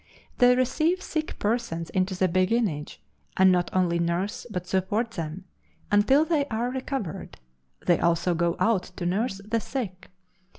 They receive sick persons into the Beguinage, and not only nurse, but support them, until they are recovered; they also go out to nurse the sick.